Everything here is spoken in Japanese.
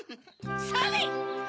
それ！